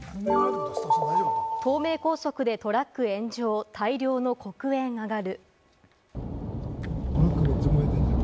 東名高速でトラック炎上、大量の黒煙上がる。